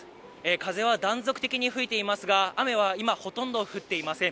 風は断続的に吹いていますが、雨は今、ほとんど降っていません。